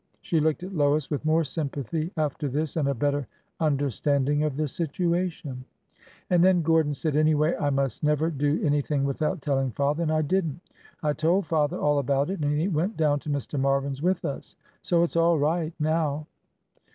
She looked at Lois with more sympathy after this, and a better understanding of the situation. " And then Gordon said, anyway, I must never do any thing without telling father— and I did n't ! I told father all about it, and he went down to Mr. Marvin's with us. So it 's all right — now